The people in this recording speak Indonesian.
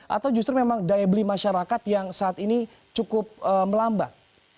atau justru memang daya beli masyarakat yang saat ini cukup melambat